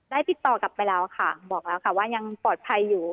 ติดต่อกลับไปแล้วค่ะบอกแล้วค่ะว่ายังปลอดภัยอยู่